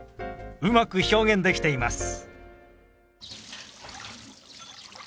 うまく表現できています。